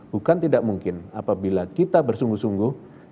bukan tidak mungkin apabila kita bersungguh sungguh